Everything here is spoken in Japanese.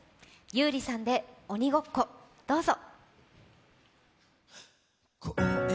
優里さんで「おにごっこ」どうぞ。